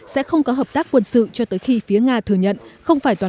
sẽ không có hợp tác quân sự cho tới khi phía nga thừa nhận